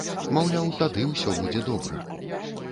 Маўляў, тады ўсё будзе добра.